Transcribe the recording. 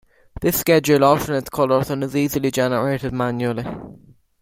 This schedule alternates colours and is easily generated manually.